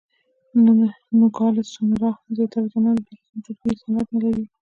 د نوګالس سونورا زیاتره ځوانان د دولسم ټولګي سند نه لري.